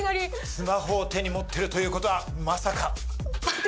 スマホを手に持ってるということはまさか。